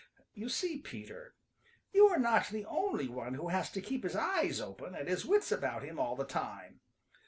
You see, Peter, you are not the only one who has to keep his eyes open and his wits about him all the time.